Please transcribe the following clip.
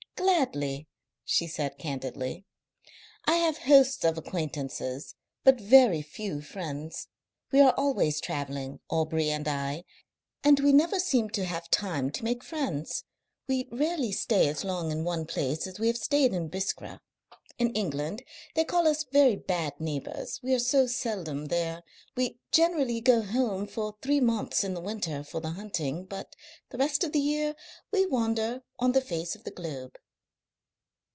"Gladly," she said candidly. "I have hosts of acquaintances, but very few friends. We are always travelling, Aubrey and I, and we never seem to have time to make friends. We rarely stay as long in one place as we have stayed in Biskra. In England they call us very bad neighbours, we are so seldom there. We generally go home for three months in the winter for the hunting, but the rest of the year we wander on the face of the globe."